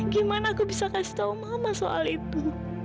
gimana aku bisa kasih tau mama soal itu